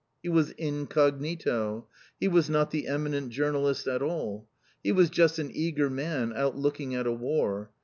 He was incognito. He was not the eminent journalist at all. He was just an eager man, out looking at a War.